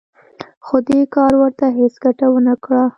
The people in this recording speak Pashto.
خو دې کار ورته هېڅ ګټه ونه کړه